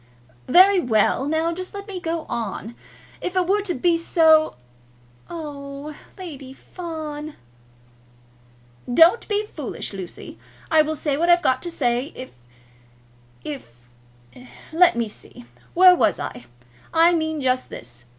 "Very well! Now just let me go on. If it were to be so " "Oh h, Lady Fawn!" "Don't be foolish, Lucy. I will say what I've got to say. If if Let me see. Where was I? I mean just this.